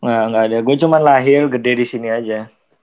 enggak ada gue cuman lahir gede disini aja